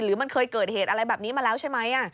หรือมันเคยเกิดเหตุอะไรแบบนี้มาแล้วใช่ไหม